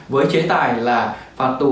với chế tài là phạt tù